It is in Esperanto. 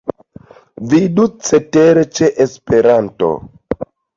Vidu cetere ĉe Esperanto.